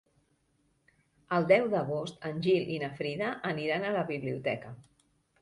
El deu d'agost en Gil i na Frida aniran a la biblioteca.